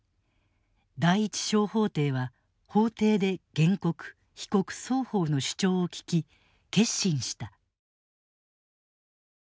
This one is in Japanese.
第一小法廷は法廷で原告・被告双方の主張を聞き結審した。